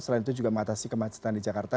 selain itu juga mengatasi kemacetan di jakarta